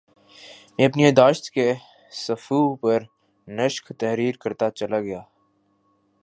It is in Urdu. میں اپنی یادداشت کے صفحوں پر نقش تحریر کرتاچلا گیا